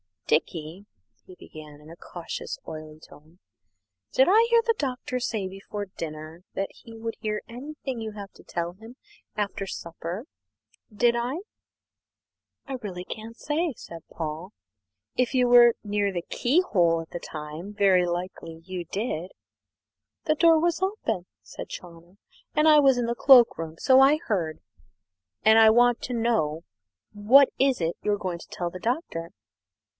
"Dickie," he began, in a cautious, oily tone, "did I hear the Doctor say before dinner that he would hear anything you have to tell him after supper? Did I?" "I really can't say, sir," said Paul; "if you were near the keyhole at the time, very likely you did." "The door was open," said Chawner, "and I was in the cloak room, so I heard, and I want to know. What is it you're going to tell the Doctor?"